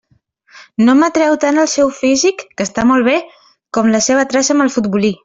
No m'atreu tant el seu físic, que està molt bé, com la seva traça amb el futbolí.